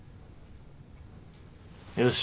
よし。